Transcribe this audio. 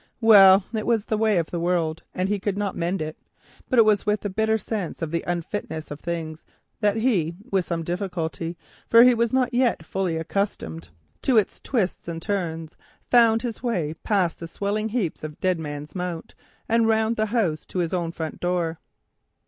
Well, it was the way of the world, and he could not mend it; but it was with a bitter sense of the unfitness of things that with some little difficulty—for he was not yet fully accustomed to its twists and turns—he found his way past the swelling heap of Dead Man's Mount and round the house to his own front door.